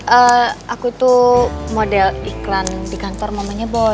ehh aku itu model iklan di kantor mamanya boy